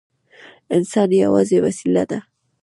انسان یوازې وسیله ده.